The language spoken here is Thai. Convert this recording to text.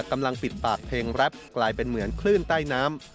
กำลังปิดปากเพลงแรปกลายเป็นเหมือนคลื่นใต้น้ำ